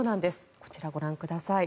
こちらをご覧ください。